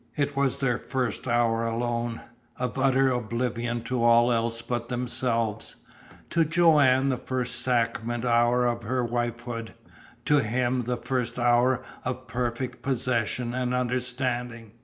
It was their first hour alone of utter oblivion to all else but themselves; to Joanne the first sacrament hour of her wifehood, to him the first hour of perfect possession and understanding.